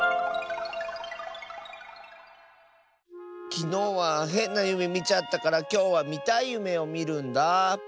きのうはへんなゆめみちゃったからきょうはみたいゆめをみるんだあ。